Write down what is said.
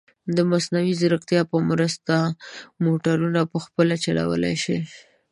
د مصنوعي ځیرکتیا په مرسته، موټرونه په خپله چلولی شي.